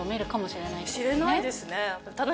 しれないですね。